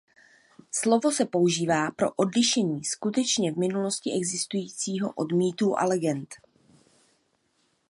Slovo se používá pro odlišení skutečně v minulosti existujícího od mýtů a legend.